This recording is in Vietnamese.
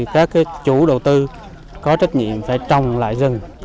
các chủ đầu tư có trách nhiệm phải trồng lại rừng